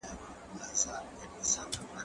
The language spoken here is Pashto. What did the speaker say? که وخت وي، مکتب ځم؟